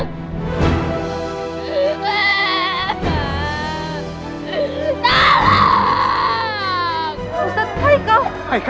ustadz fahim kau